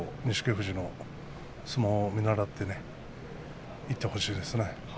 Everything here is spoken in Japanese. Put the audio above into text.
富士の相撲を見習っていってほしいですね。